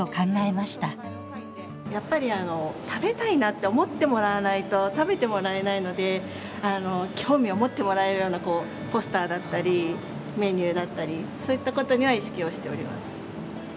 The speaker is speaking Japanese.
やっぱり食べたいなって思ってもらわないと食べてもらえないので興味を持ってもらえるようなポスターだったりメニューだったりそういったことには意識をしております。